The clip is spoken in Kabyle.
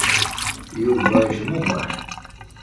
Yuba yecmumeḥ.